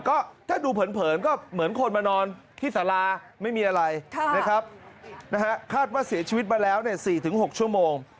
ก็ถ้าดูเผินก็เหมือนคนมานอนที่สาราไม่มีอะไรนะครับคาดว่าเสียชีวิตมาแล้ว๔๖ชั่วโมง